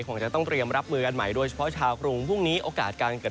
คงจะต้องเตรียมรับมือกันใหม่โดยเฉพาะชาวกรุงพรุ่งนี้โอกาสการเกิด